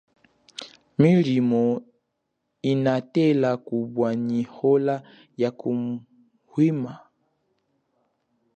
Milimo inatela kubwa nyi ola ya kuhwima.